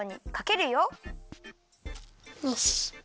よし。